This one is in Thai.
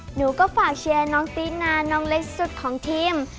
หนูก็ฝากเชียร์น้องตีนาน้องเล็กสุดของทีม